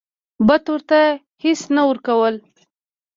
بت ورته هیڅ نه ورکول.